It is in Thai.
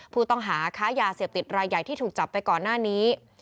ผู้ต้องหาค้ายาเสพติดรายใหญ่ที่ถูกจับไปก่อนหน้านี้